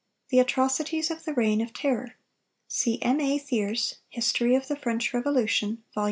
THE ATROCITIES OF THE REIGN OF TERROR.—See M. A. Thiers, "History of the French Revolution," Vol.